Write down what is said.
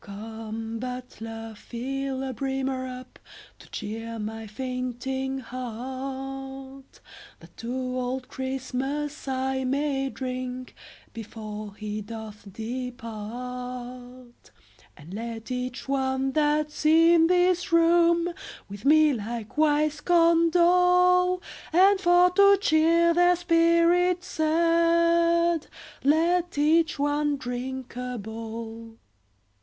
Come, butler, fill a brimmer up To cheer my fainting heart, That to old Christmas I may drink Before he doth depart; And let each one that's in this room With me likewise condole, And for to cheer their spirits sad Let each one drink a bowl.